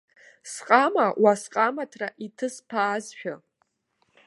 Сҟама уа сҟамаҭра иҭысԥаазшәа.